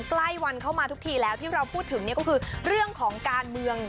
ใกล้วันเข้ามาทุกทีแล้วที่เราพูดถึงก็คือเรื่องของการเมือง